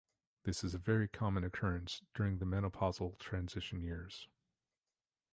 This is a very common occurrence during the menopausal transition years.